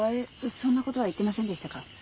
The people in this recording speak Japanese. そんなことは言ってませんでしたか？